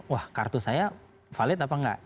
wah kartu saya valid apa enggak